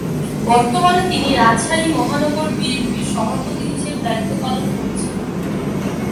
বর্তমানে তিনি রাজশাহী মহানগর বিএনপির সভাপতি হিসেবে দায়িত্ব পালন করছেন।